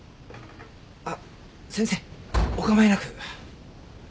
あっ先生お構いなく。